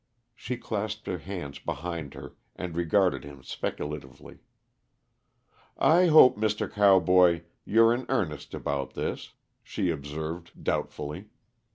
She clasped her hands behind her and regarded him speculatively. "I hope, Mr. Cowboy, you're in earnest about this," she observed doubtfully.